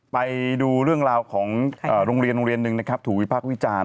ไปดูเรื่องราวของโรงเรียนหนึ่งถูวิพากษ์พี่จาน